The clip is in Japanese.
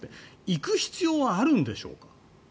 行く必要はあるんでしょうか？